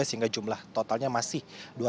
sehingga jumlah totalnya masih dua ratus lima puluh enam